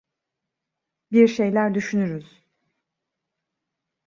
Bir şeyler düşünürüz.